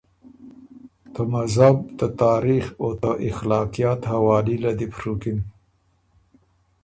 ته مذهب، ته تاریخ، او ته اخلاقیات حوالي له دی بو ڒُوکِن